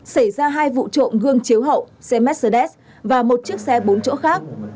xảy ra hai vụ trộm gương chiếu hậu xe mercedes và một chiếc xe bốn chỗ khác